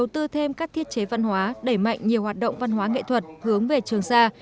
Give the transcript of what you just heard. tư thêm các thiết chế văn hóa đẩy mạnh nhiều hoạt động văn hóa nghệ thuật hướng về trường sa